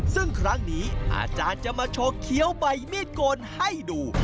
ซึ่งครั้งนี้อาจารย์จะมาโชว์เคี้ยวใบมีดโกนให้ดู